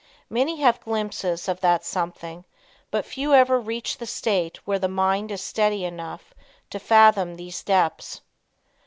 Many have glimpses of "that something," but few ever reach the state where the mind is steady enough to fathom these depths.